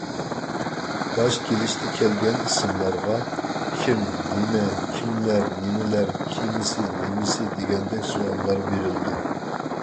باش كېلىشتە كەلگەن ئىسىملارغا «كىم، نېمە، كىملەر، نېمىلەر، كېمىسى، نېمىسى» دېگەندەك سوئاللار بېرىلىدۇ.